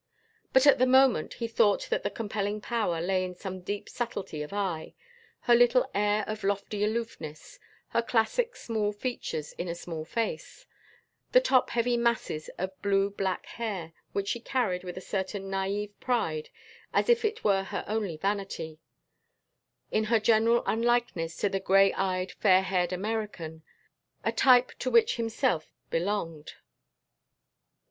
But at the moment he thought that the compelling power lay in some deep subtlety of eye, her little air of lofty aloofness, her classic small features in a small face, and the top heavy masses of blue black hair which she carried with a certain naïve pride as if it were her only vanity; in her general unlikeness to the gray eyed fair haired American a type to which himself belonged.